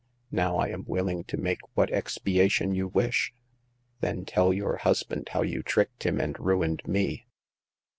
Now I am willing to make what expiation you wish." "Then tell your husband how you tricked him and ruined me."